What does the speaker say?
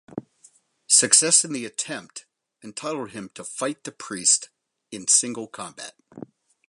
Success in the attempt entitled him to fight the priest in single combat.